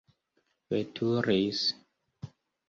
veturis